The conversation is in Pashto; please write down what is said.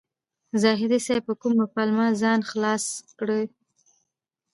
زاهدي صیب په کومه پلمه ځان خلاص کړی و.